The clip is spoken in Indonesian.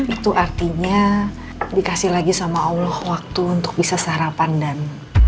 itu artinya dikasih lagi sama allah waktu untuk bisa sarapan dan